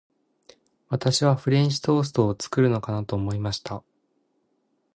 私はフレンチトーストを作るのかなと思いました。